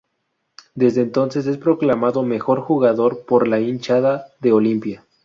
Desde entonces es proclamado mejor jugador por la hinchada de Olimpia.